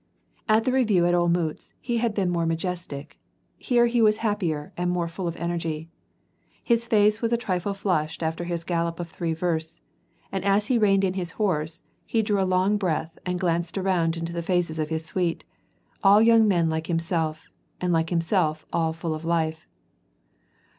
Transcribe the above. At the review at Olmtitz he had been more majestic ; here he was happier and more full of energy. His face was a trifle flushed after his gallop of three versts, and as he reined in his horse he drew a long breath and glanced around into the faces of his suite, all young men like himself, and like himself all full of life.